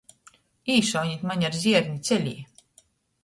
Īšaunit man ar zierni celī!